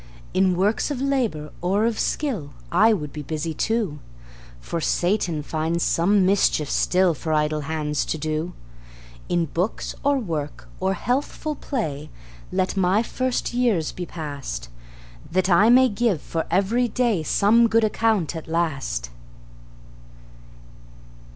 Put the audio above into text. In works of labor or of skill, I would be busy too; For Satan finds some mischief still For idle hands to do. In books, or work, or healthful play, Let my first years be passed, That I may give for every day Some good account at last.